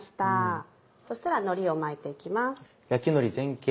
そしたらのりを巻いて行きます。